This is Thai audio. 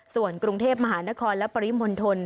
ส่วนกรุงเทพมหานครและปริมณฑล